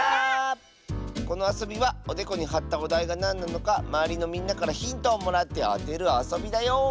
このあそびはおでこにはったおだいがなんなのかまわりのみんなからヒントをもらってあてるあそびだよ！